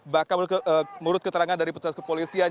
bahkan menurut keterangan dari petugas kepolisian